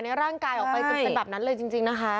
ในร่างกายออกไปจนแบบนั้นเลยจริงนะคะ